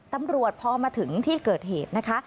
ตำรวจพอมาถึงที่เกิดเหตุนะคะ